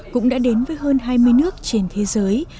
cũng đã đến với hơn hai mươi nước trên thế giới